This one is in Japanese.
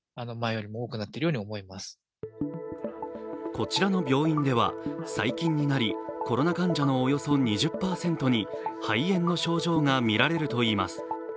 こちらの病院では最近になり、コロナ患者のおよそ２０％に肺炎の症状がみられるといいます。